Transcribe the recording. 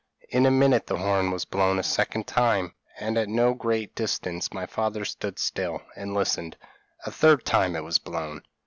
In a minute the horn was blown a second time, and at no great distance; my father stood still, and listened: a third time it was blown.